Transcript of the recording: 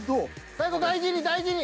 最後大事に大事に！